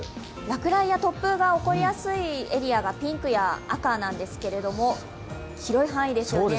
落雷や突風が起こりやすいエリアがピンクや赤なんですけれども、広い範囲ですね。